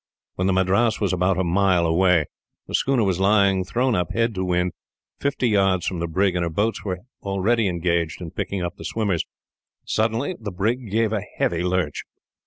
When the Madras was a mile away, the schooner was lying, thrown up head to wind, fifty yards from the brig; and her boats were already engaged in picking up the swimmers. Suddenly the brig gave a heavy lurch.